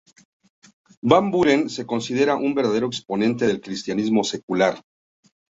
Van Buren se consideraba un verdadero exponente del Cristianismo secular.